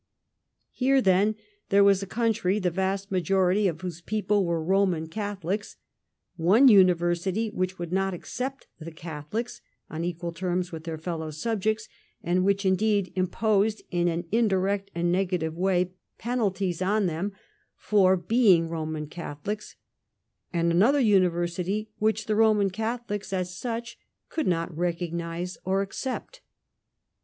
Here, then, there was, in a country the vast majority of whose people were Roman Catholics, one university which would not accept the Catholics on equal terms with their fellow subjects, and which, indeed, imposed in an indirect and negative way penalties on them for 285 286 THE STORY OF GLADSTONE'S LIFE being Roman Catholics, and another university which the Roman Catholic as such could not recognize or accept.